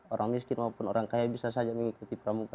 orang miskin maupun orang kaya bisa saja mengikuti pramuka